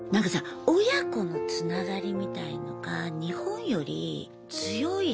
親子のつながりみたいのが日本より強い気がして。